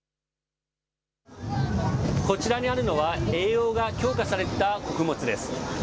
こちらにあるのは、栄養が強化された穀物です。